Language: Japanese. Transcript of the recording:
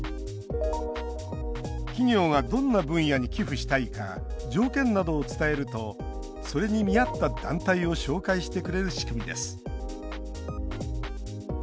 企業がどんな分野に寄付したいか条件などを伝えるとそれに見合った団体を紹介してくれる仕組みです。